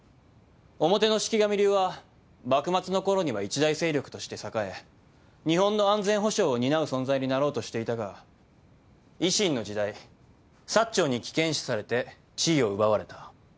表の四鬼神流は幕末のころには一大勢力として栄え日本の安全保障を担う存在になろうとしていたが維新の時代薩長に危険視されて地位を奪われた。